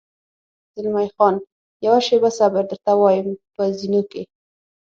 زلمی خان: یوه شېبه صبر، درته وایم، په زینو کې.